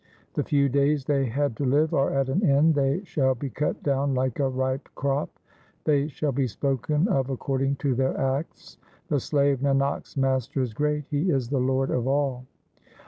The few days they had to live are at an end ; they shall be cut down like a ripe crop. They shall be spoken of according to their acts. The slave Nanak's Master is great ; He is the Lord of all.